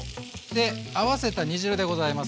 で合わせた煮汁でございます